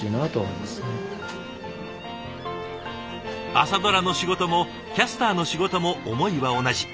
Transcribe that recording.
「朝ドラ」の仕事もキャスターの仕事も思いは同じ。